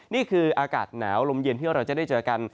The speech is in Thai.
นี่คืออากาศหนาวลมเย็นที่เราจะได้เจอกัน